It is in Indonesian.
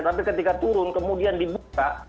tapi ketika turun kemudian dibuka